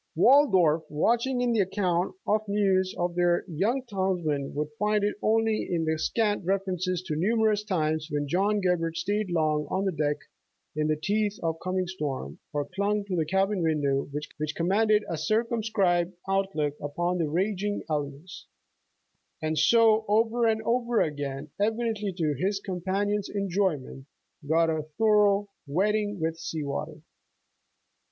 Waldorf, watching in the account for news of their young townsman, would find it only in the scant references to numerous times when John Gebhard stayed long on the deck in the teeth of a com ing storm, or clung to the cabin window which com manded a circumscribed outlook upon the raging ele 32 John Helffrich's Journal ments, and so, over and over again, evidently to his companions' enjoyment, got a thorough wetting with sea water.